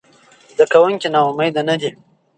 زده کوونکي ناامیده نه دي.